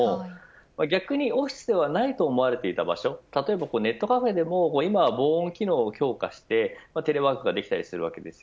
逆に、オフィスではないと思われていた場所ネットカフェでも防音機能を強化してテレワークができたりしています。